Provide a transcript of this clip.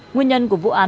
nguyên nhân của vụ án